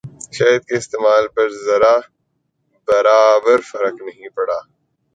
شہد کے استعمال پر ذرہ برابر فرق نہ پڑا۔